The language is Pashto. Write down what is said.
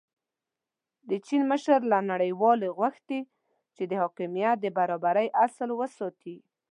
د چین مشر له نړیوالې غوښتي چې د حاکمیت د برابرۍ اصل وساتي.